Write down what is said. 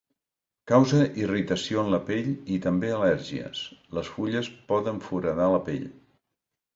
Causa irritació en la pell i també al·lèrgies, les fulles poden foradar la pell.